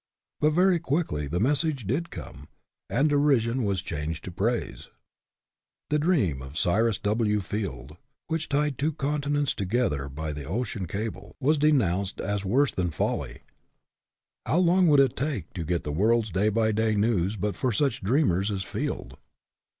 But very quickly the message did come, and derision was changed to praise. The dream of Cyrus W. Field, which tied two continents together by the ocean cable, was denounced as worse than folly. How 68 WORLD OWES TO DREAMERS long would it take to get the world's day by day news but for such dreamers as Field?